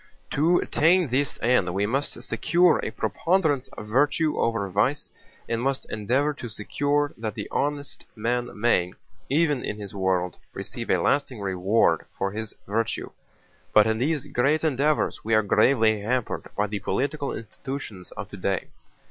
"To attain this end we must secure a preponderance of virtue over vice and must endeavor to secure that the honest man may, even in this world, receive a lasting reward for his virtue. But in these great endeavors we are gravely hampered by the political institutions of today.